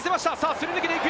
すり抜けていく！